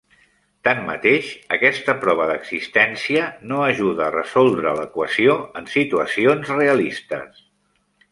Tanmateix, aquesta prova d'existència no ajuda a resoldre l'equació en situacions realistes.